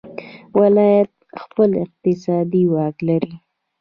ولایتونه خپل اقتصادي واک لري.